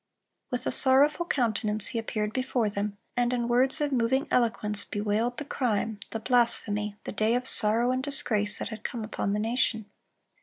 With a sorrowful countenance he appeared before them, and in words of moving eloquence bewailed "the crime, the blasphemy, the day of sorrow and disgrace," that had come upon the nation.